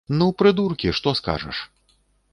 Ну, прыдуркі, што скажаш!